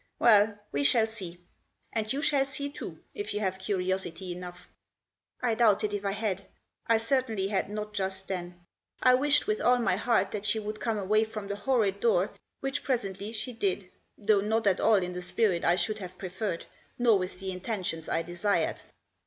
Well, we shall see — and you shall see too, if you have curiosity enough." I doubted if I had. I certainly had not just then. I wished, with all my heart, that she would come away from the horrid door, which presently she THE SHUTTING OF A DOOH. 10? did, though not at all in the spirit I should have preferred, nor with the intentions I desired.